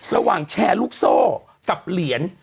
ระหว่างแชร์ลูกโซ่กับเหรียญ